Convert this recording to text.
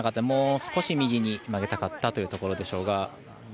もう少し右に曲げたかったというところでしょうが。